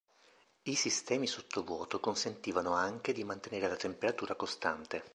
I sistemi sotto vuoto consentivano anche di mantenere la temperatura costante.